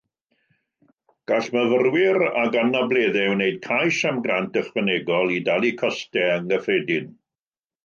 Gall myfyrwyr ag anableddau wneud cais am grant ychwanegol i dalu costau anghyffredin.